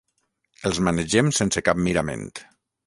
Els manegem sense cap mirament.